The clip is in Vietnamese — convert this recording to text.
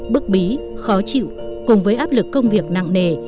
bức bí khó chịu cùng với áp lực công việc nặng nề